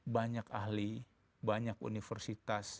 banyak ahli banyak universitas